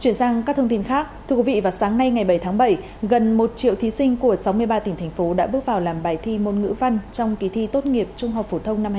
chuyển sang các thông tin khác thưa quý vị vào sáng nay ngày bảy tháng bảy gần một triệu thí sinh của sáu mươi ba tỉnh thành phố đã bước vào làm bài thi môn ngữ văn trong kỳ thi tốt nghiệp trung học phổ thông năm hai nghìn hai mươi